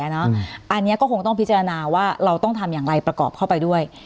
อันนี้ก็คงต้องพิจารณาว่าเราต้องทำอย่างไรประกอบเข้าไปด้วย